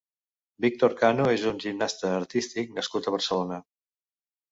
Víctor Cano és un gimnasta artístic nascut a Barcelona.